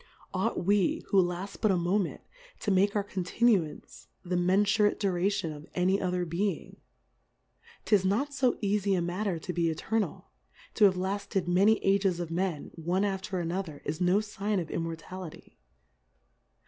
Ought we, who laft but a Moment, to m.ake our Continuance the menfurate Dura tion of any other Being? 'Tis not fo eafie a matter to be Eternal, To Iiave lafted many Ages of Men, o.ie after another, Is no Sign of Immortality.